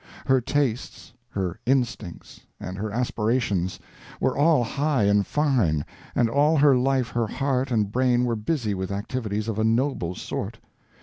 Her tastes, her instincts, and her aspirations were all high and fine and all her life her heart and brain were busy with activities of a noble sort.